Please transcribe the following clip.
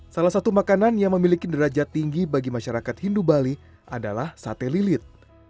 salah satu makanan yang memiliki derajat tinggi bagi masyarakat hindu bali adalah sate lilit